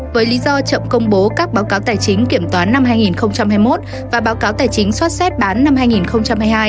với lý do chậm công bố các báo cáo tài chính kiểm toán năm hai nghìn hai mươi một và báo cáo tài chính sot xét bán năm hai nghìn hai mươi hai